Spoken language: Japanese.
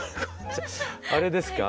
あれですか？